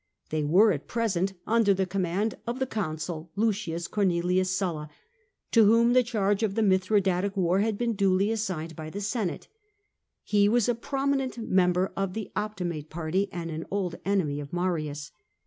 They were at present under the com mand of the consul L. Cornelius Sulla, to whom the charge of the Mithradatic war had been duly assigned by the Senate. He was a prominent member of the Opti mate party and an old enemy of Marius.